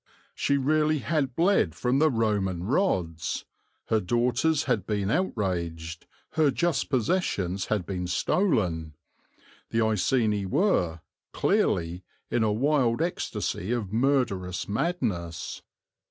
She really had bled from the Roman rods, her daughters had been outraged, her just possessions had been stolen; the Iceni were, clearly, in a wild ecstasy of murderous madness.